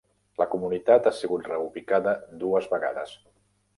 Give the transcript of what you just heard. La comunitat ha sigut reubicada dues vegades.